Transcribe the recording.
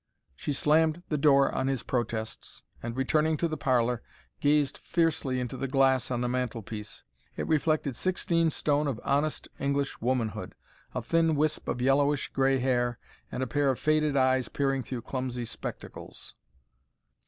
She slammed the door on his protests and, returning to the parlour, gazed fiercely into the glass on the mantelpiece. It reflected sixteen stone of honest English womanhood, a thin wisp of yellowish grey hair, and a pair of faded eyes peering through clumsy spectacles.